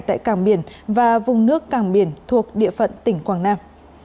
tại cảng biển và vùng nước cảng biển thuộc địa phận tỉnh quảng nam